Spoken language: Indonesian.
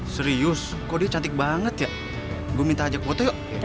serius kok dia cantik banget ya gue minta ajak foto yuk